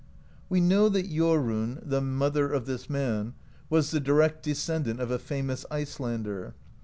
We know that Jorunn, the mother of this man, was the direct descendant of a famous Icelander.